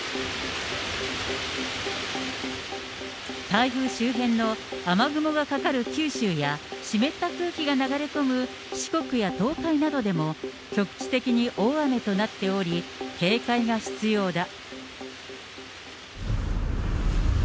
台風周辺の雨雲がかかる九州や、湿った空気が流れ込む四国や東海などでも局地的に大雨となっており、警戒が必要だ。